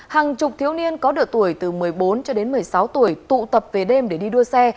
hàng chục thiếu niên có độ tuổi từ một mươi bốn cho đến một mươi sáu tuổi tụ tập về đêm để đi đua xe